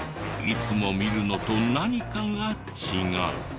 いつも見るのと何かが違う。